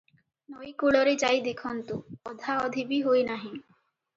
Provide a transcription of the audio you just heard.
ନଈକୂଳରେ ଯାଇ ଦେଖନ୍ତୁ, ଅଧାଅଧି ବି ହୋଇନାହିଁ ।